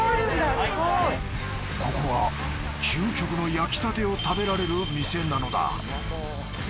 ここは究極の焼きたてを食べられる店なのだ。